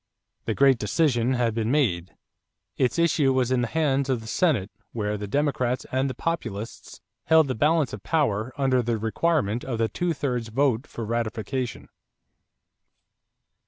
The great decision had been made. Its issue was in the hands of the Senate where the Democrats and the Populists held the balance of power under the requirement of the two thirds vote for ratification.